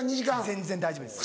全然大丈夫です。